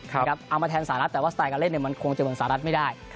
เอามาแทนสหรัฐแต่ว่าสไตลการเล่นมันคงจะเหมือนสหรัฐไม่ได้